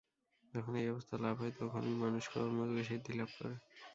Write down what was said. যখন এই অবস্থা লাভ হয়, তখনই মানুষ কর্মযোগে সিদ্ধি লাভ করে।